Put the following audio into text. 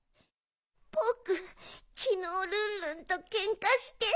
ぼくきのうルンルンとケンカして。